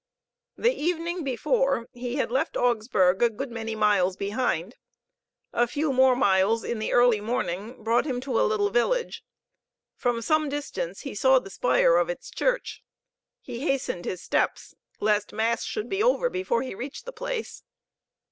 The evening before, he had left Augsburg a good many miles behind. A few miles more in the early morning brought him to a little village. From some distance he saw the spire of its church. He hastened his steps, lest Mass should be over before he reached the place.